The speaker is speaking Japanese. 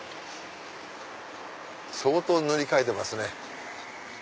相当塗り替えてますね。